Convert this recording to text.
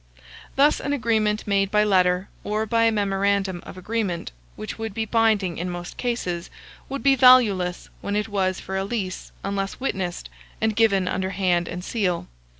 Thus an agreement made by letter, or by a memorandum of agreement, which would be binding in most cases, would be valueless when it was for a lease, unless witnessed, and given under hand and seal.